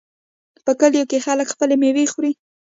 په کلیو کې خلک خپلې میوې خوري.